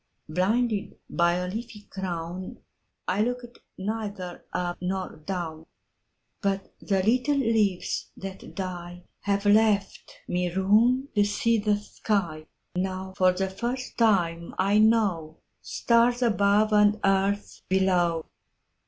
Blinded by a leafy crownI looked neither up nor down—But the little leaves that dieHave left me room to see the sky; Now for the first time I knowStars above and earth below.